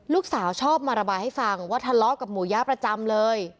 ลูกสาวชอบมาระบายให้ฟังว่าทะเลาะกับหมูยะประจำเลย